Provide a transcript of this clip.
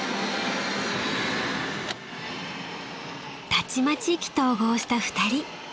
［たちまち意気投合した２人］